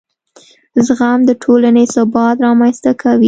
زغم د ټولنې ثبات رامنځته کوي.